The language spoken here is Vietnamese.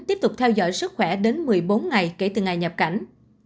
tiếp tục theo dõi sức khỏe đến một mươi bốn ngày kể từ ngày nhập cảnh